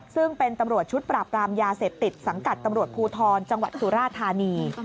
ซึ่งเป็นตำรวจชุดปราบรามยาเสพติดสังกัดตำรวจภูทรจังหวัดสุราธานี